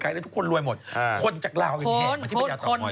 ปลาหมึกแท้เต่าทองอร่อยทั้งชนิดเส้นบดเต็มตัว